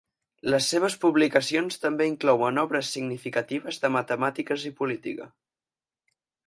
Les seves publicacions també inclouen obres significatives de matemàtiques i política.